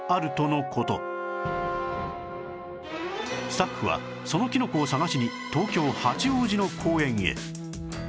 スタッフはそのキノコを探しに東京八王子の公園へ